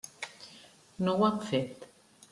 No ho han fet.